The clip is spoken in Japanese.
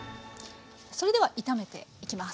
それでは炒めていきます。